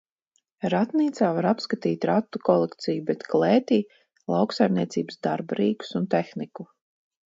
Ratnīcā var apskatīt ratu kolekciju, bet klētī – lauksaimniecības darba rīkus un tehniku.